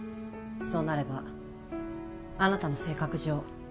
そうなればあなたの性格上